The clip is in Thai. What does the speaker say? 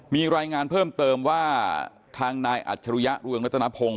มีรายงานเพิ่มเติมว่าทางนายอัจฉริยะเรืองรัตนพงศ์